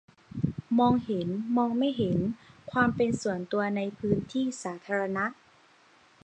มองเห็น-มองไม่เห็น : ความเป็นส่วนตัวในพื้นที่สาธารณะ